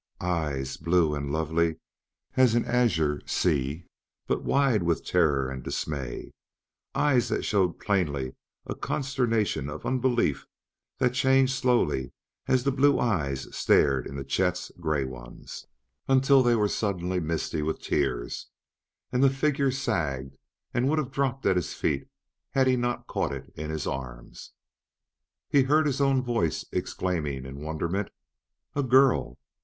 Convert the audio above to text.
Eyes, blue and lovely as an azure sea but wide with terror and dismay; eyes that showed plainly a consternation of unbelief that changed slowly, as the blue eyes stared into Chet's gray ones, until they were suddenly misty with tears; and the figure sagged and would have dropped at his feet had he not caught it in his arms. He heard his own voice exclaiming in wonderment: "A girl!